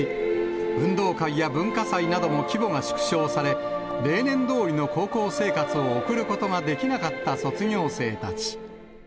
運動会や文化祭なども規模が縮小され、例年どおりの高校生活を送ることができなかった卒業生たち。